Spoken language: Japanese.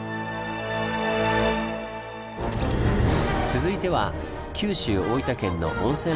続いては九州大分県の温泉